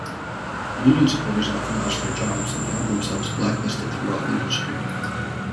Union supporters often lost their jobs and found themselves blacklisted throughout the industry.